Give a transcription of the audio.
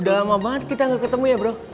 udah lama banget kita gak ketemu ya bro